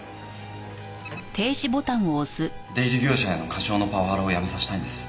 出入り業者への課長のパワハラをやめさせたいんです。